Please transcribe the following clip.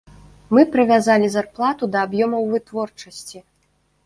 Мы прывязалі зарплату да аб'ёмаў вытворчасці.